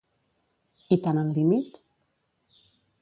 I Tan al límit?